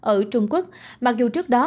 ở trung quốc mặc dù trước đó